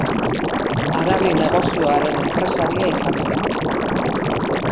Haragi negozioaren enpresaria izan zen.